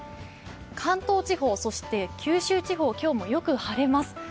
関東地方、そして九州地方、今日もよく晴れます。